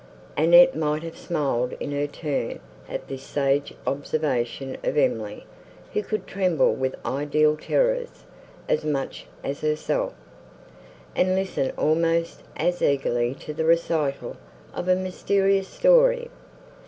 Annette might have smiled in her turn, at this sage observation of Emily, who could tremble with ideal terrors, as much as herself, and listen almost as eagerly to the recital of a mysterious story.